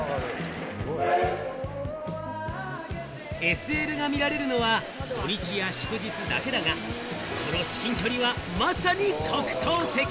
ＳＬが見られるのは土日や祝日だけだが、この至近距離はまさに特等席。